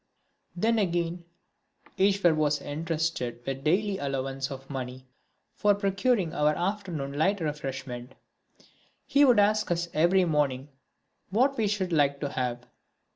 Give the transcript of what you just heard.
Then again Iswar was entrusted with a daily allowance of money for procuring our afternoon light refreshment. He would ask us every morning what we should like to have.